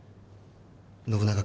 信長